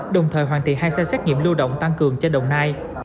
đồng thời hoàn thiện hai xe xét nghiệm lưu động tăng cường cho đồng nai